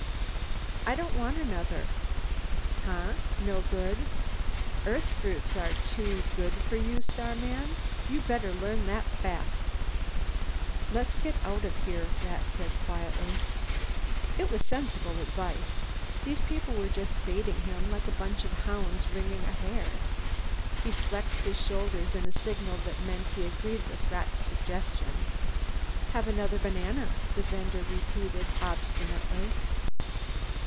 "I don't want another." "Huh? No good? Earth fruits are too good for you, starman. You better learn that fast." "Let's get out of here," Rat said quietly. It was sensible advice. These people were just baiting him like a bunch of hounds ringing a hare. He flexed his shoulder in a signal that meant he agreed with Rat's suggestion. "Have another banana," the vender repeated obstinately.